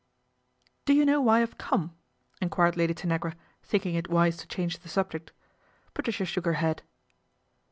" Do you know why I've come ?" enquired Lady Tanagra, thinking it wise to change the subject. Patiicia shook her head.